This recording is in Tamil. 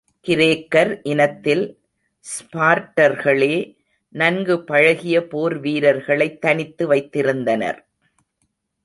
கிரேக்கர் இனத்தில் ஸ்பார்ட்டர்களே, நன்கு பழகிய போர் வீரர்களைத் தனித்து வைத்திருந்தனர்.